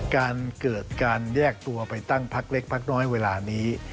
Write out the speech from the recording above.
การเกิดการแยกตัวไปตั้งพักเล็กพักน้อยเวลานี้